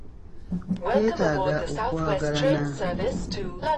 Twetaaga okwagalana.